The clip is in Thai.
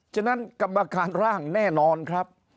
ฉะนั้นกรรมการร่างแน่นอนครับ